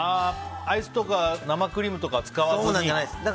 アイスとか生クリームとかを使わずに。